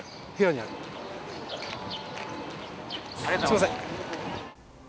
すいません。